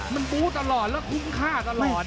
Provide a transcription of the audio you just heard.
มันบู้ตลอดแล้วคุ้มค่าตลอด